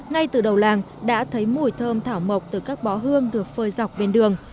ngay từ đầu làng đã thấy mùi thơm thảo mộc từ các bó hương được phơi dọc bên đường